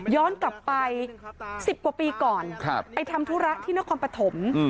ย้อนกลับไป๑๐กว่าปีก่อนไปทำธุระที่นครปฐม